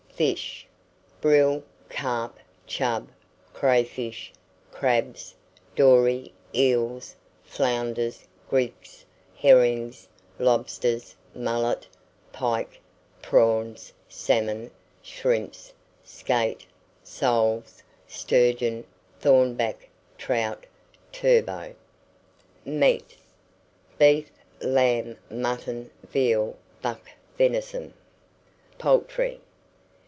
FISH. Brill, carp, chub, crayfish, crabs, dory, eels, flounders, grigs, herrings, lobsters, mullet, pike, prawns, salmon, shrimps, skate, soles, sturgeon, thornback, trout, turbot. MEAT. Beef, lamb, mutton, veal, buck venison. POULTRY.